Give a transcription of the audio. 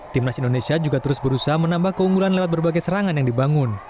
timnas indonesia juga terus berusaha menambah keunggulan lewat berbagai serangan yang dibangun